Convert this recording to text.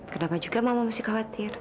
kenapa juga mama mesti khawatir